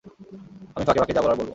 আমি ফাঁকে ফাঁকে যা বলার বলব।